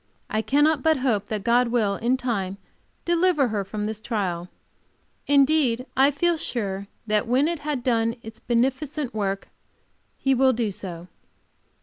I cannot but hope that God will, in time, deliver her from this trial; indeed, feel sure that when it has done its beneficent work He will do so.